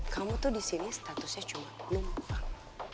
kamu tuh disini statusnya cuma numpang